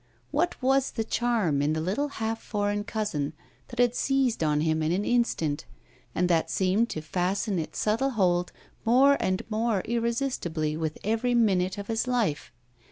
What was the charm in the little half foreign cousin that had seized on him in an instant, and that seemed to fasten its subtle hold more and more irresistibly with every minute of his life?